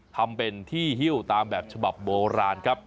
ทำเป็นที่ฮิ้วตามแบบฉบับโบราณครับ